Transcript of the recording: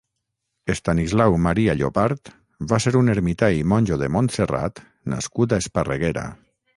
Estanislau Maria Llopart va ser un ermità i monjo de Montserrat nascut a Esparreguera.